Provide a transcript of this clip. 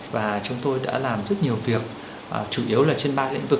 và chúng tôi đã làm rất nhiều việc chủ yếu là trên ba lĩnh vực